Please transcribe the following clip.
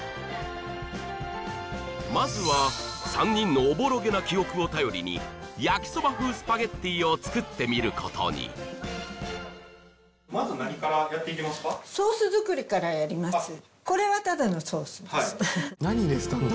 まずは３人のおぼろげな記憶を頼りに焼きそば風スパゲッティを作ってみることにまず何からやっていきますか？